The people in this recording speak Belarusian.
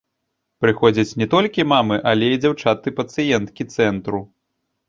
Прыходзяць не толькі мамы, але і дзяўчаты-пацыенткі цэнтру.